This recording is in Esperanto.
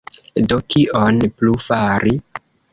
Do, kion plu fari?